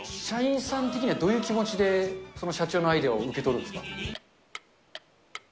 社員さん的には、どういう気持ちでその社長のアイデアを受け取るんですか。